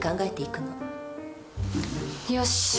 よし。